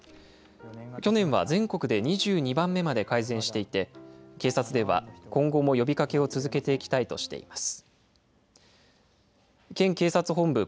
去年は全国で２２番目まで改善していて、警察では今後も呼びかけを続けていきたいとしています。